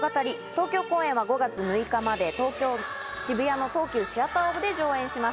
東京公演は５月６日まで渋谷の東急シアターオーブで上演します。